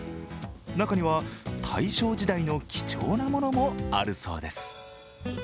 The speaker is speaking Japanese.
中には、大正時代の貴重なものもあるそうです。